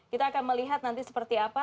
kita akan melihat nanti seperti apa